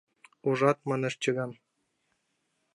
— Ужат, — манеш чыган.